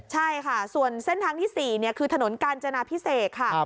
ใช่ค่ะส่วนเส้นทางที่๔คือถนนกาญจนาพิเศษค่ะ